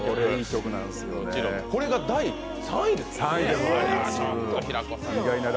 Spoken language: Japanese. これが第３位ですか？